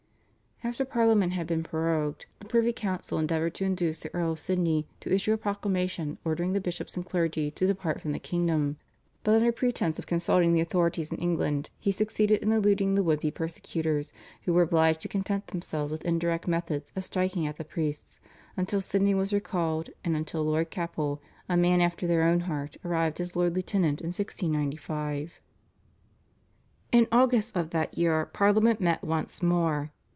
After Parliament had been prorogued the privy council endeavoured to induce the Earl of Sydney to issue a proclamation ordering the bishops and clergy to depart from the kingdom, but under pretence of consulting the authorities in England he succeeded in eluding the would be persecutors, who were obliged to content themselves with indirect methods of striking at the priests, until Sydney was recalled, and until Lord Capel, a man after their own heart, arrived as Lord Lieutenant in 1695. In August of that year Parliament met once more.